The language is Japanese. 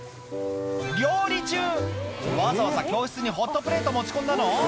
わざわざ教室にホットプレート持ち込んだの？